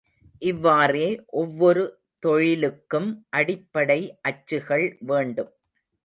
இவ்வாறே ஒவ்வொரு தொழிலுக்கும் அடிப்படை அச்சுகள் வேண்டும்.